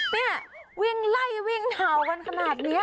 นี่วิ่งไล่วิ่งเห่ากันขนาดนี้